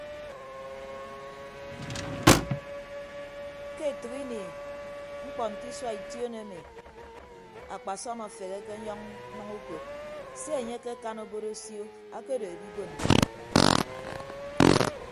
Ke etәk ini mkpọ nte isua ition emi akpasọm afeheke ọnyọñ nnʌñ ukod se enye akekan obod osio akedo edibon nditọ.